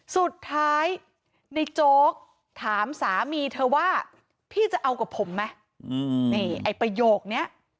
สุดท้ายในโจ๊กถามสามีเธอว่าพี่จะเอากับผมไหมนี่ไอ้ประโยคนี้